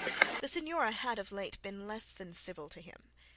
The signora had of late been less than civil to him.